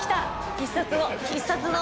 必殺の必殺の。